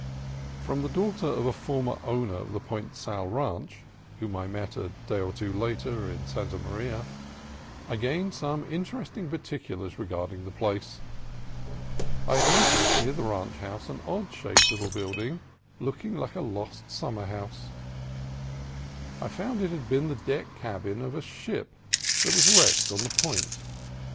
From the daughter of a former owner of the Point Sal Ranch, whom I met a day or two later at Santa POINT SAL 135 Maria, I gained some interesting particulars re garding the place. I had noticed near the ranch house an odd shaped little building, looking like a lost summer house. I found that it had been the deck cabin of a ship that was wrecked on the point.